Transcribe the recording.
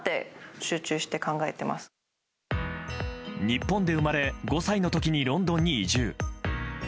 日本で生まれ５歳の時にロンドンに移住。